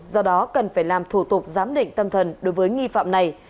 do đó cần phải làm thủ tục giám định tâm thần đối với nghi phạm này